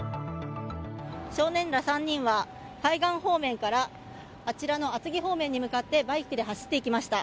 少年ら３人は海岸方面からあちらの厚木方面に向かってバイクで走っていきました。